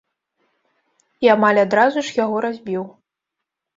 І амаль адразу ж яго разбіў.